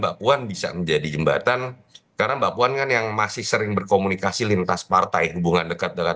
mbak puan bisa menjadi jembatan karena mbak puan kan yang masih sering berkomunikasi lintas partai hubungan dekat dengan